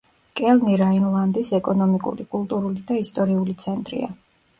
კელნი რაინლანდის ეკონომიკური, კულტურული და ისტორიული ცენტრია.